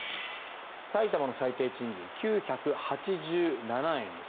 埼玉の最低賃金９８７円です。